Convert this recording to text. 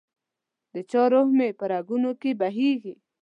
دچا روح مي په رګونو کي بهیږي